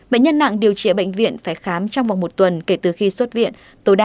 bệnh nhân nặng điều trị bệnh viện phải khám trong vòng một tuần kể từ khi xuất viện tối đa hai ba tuần